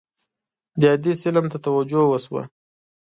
د حدیث علم ته توجه وشوه.